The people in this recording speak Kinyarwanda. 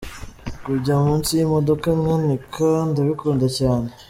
Kujya munsi y’imodoka nkanika ndabikunda cyane.